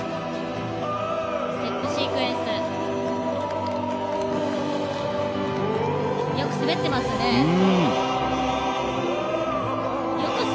ステップシークエンス。